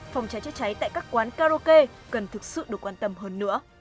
phòng cháy chết cháy tại các quán karaoke cần thực sự được quan sát